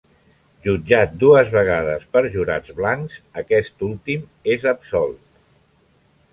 Jutjat dues vegades per jurats blancs, aquest últim és absolt.